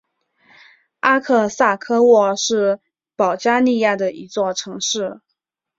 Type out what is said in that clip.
阿克萨科沃是保加利亚的一座城市。